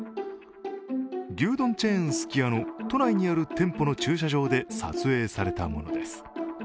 牛丼チェーンすき家の都内にある店舗の駐車場で撮影されたものです。